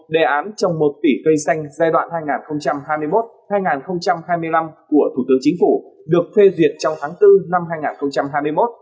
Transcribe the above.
đề án trồng một tỷ cây xanh giai đoạn hai nghìn hai mươi một hai nghìn hai mươi năm của thủ tướng chính phủ được phê duyệt trong tháng bốn năm hai nghìn hai mươi một